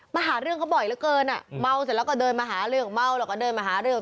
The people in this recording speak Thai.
มาหาเรื่องเขาบ่อยเหลือเกินอ่ะเมาเสร็จแล้วก็เดินมาหาเรื่องเมาแล้วก็เดินมาหาเรื่อง